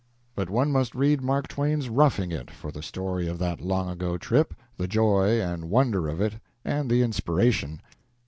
But one must read Mark Twain's "Roughing It" for the story of that long ago trip the joy and wonder of it, and the inspiration.